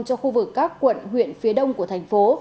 cho khu vực các quận huyện phía đông của thành phố